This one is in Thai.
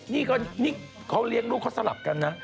นี่พ่อเลี้ยงลูกออกให้ทรัพย์กันนะ